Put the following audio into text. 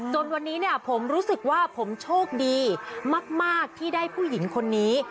จนวันนี้เนี่ยผมรู้สึกว่าผมโชคดีมากที่ได้ผู้หญิงคนนี้